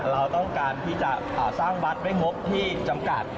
เราต้องการที่จะสร้างบัตรได้มกที่จำกัด